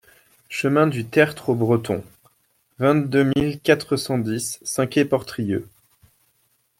Chemin du Tertre au Breton, vingt-deux mille quatre cent dix Saint-Quay-Portrieux